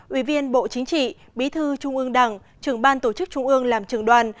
ủy viên bộ chính trị bí thư trung ương đảng trưởng ban tổ chức trung ương làm trường đoàn